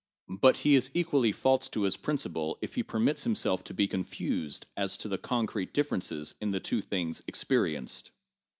7 But he is equally false to his principle if he permits himself to be confused as to the concrete differences in the two things experienced.